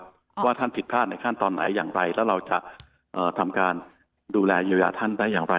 ว่าท่านผิดพลาดในขั้นตอนไหนอย่างไรแล้วเราจะทำการดูแลเยียวยาท่านได้อย่างไร